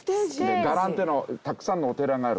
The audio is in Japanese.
「伽藍」というのはたくさんのお寺がある。